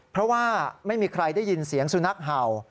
เพราะว่าไม่มีใครได้ยินเสียงสุนัขเห่า